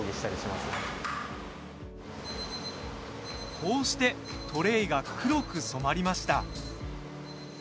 こうして、トレーが黒く染まりました。